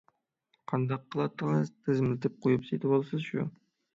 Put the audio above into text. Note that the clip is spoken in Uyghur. قانداق قىلاتتىڭىز؟ تىزىملىتىپ قويۇپ سېتىۋالىسىز شۇ.